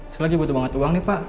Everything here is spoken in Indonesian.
selagi butuh banget uang nih pak